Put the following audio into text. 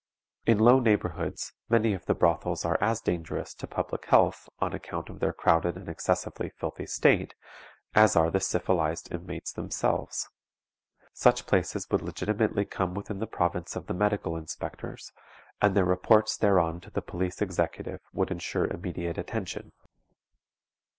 In low neighborhoods many of the brothels are as dangerous to public health on account of their crowded and excessively filthy state, as are the syphilized inmates themselves. Such places would legitimately come within the province of the medical inspectors, and their reports thereon to the police executive would insure immediate attention.